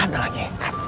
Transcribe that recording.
nggak ada lagi